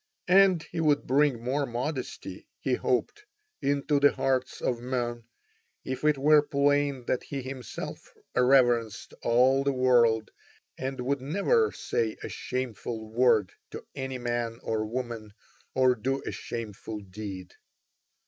And he would bring more modesty, he hoped, into the hearts of all men if it were plain that he himself reverenced all the world and would never say a shameful word to any man or woman or do a shameful deed.